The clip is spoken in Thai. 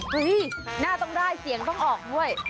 หน้าต้องได้เสียงต้องออกด้วย